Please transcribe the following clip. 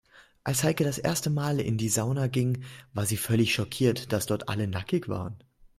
Als Heike das erste Mal in die Sauna ging, war sie völlig schockiert, dass dort alle nackig waren.